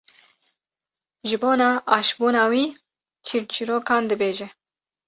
ji bona aşbûna wî çîrçîrokan dibêje.